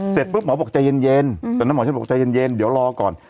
เสร็จปุ๊บหมอบอกใจเย็นตอนนั้นหมอฉันบอกใจเย็นเดี๋ยวรอก่อน